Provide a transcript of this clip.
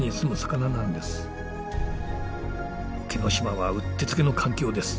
沖ノ島はうってつけの環境です。